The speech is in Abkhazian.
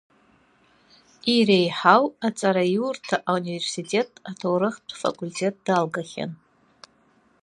Иреиҳау аҵараиурҭа ауниверситет, аҭоурыхтә факультет далгахьан.